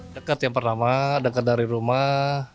dekat yang pertama dekat dari rumah